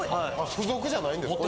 付属じゃないんですか。